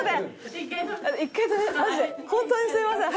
本当にすいません。